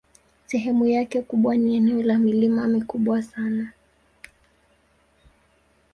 Sehemu yake kubwa ni eneo la milima mikubwa sana.